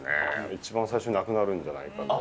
一番最初になくなるんじゃないかぐらい。